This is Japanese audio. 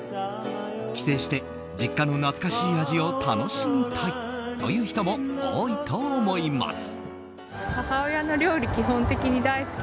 帰省して実家の懐かしい味を楽しみたいという人も多いと思います。